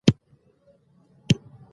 باران د افغانستان د پوهنې نصاب کې شامل دي.